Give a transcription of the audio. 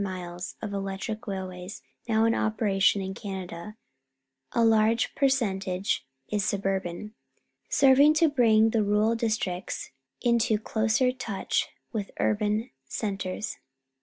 Of the 1,700 miles of electric railways now in operation in Canada, a large percentage is suburban, serving to bring the rural districts into closer touch with the urban centres.